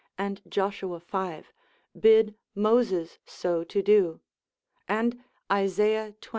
and Joshua v. bid Moses so to do; and Isaiah xx.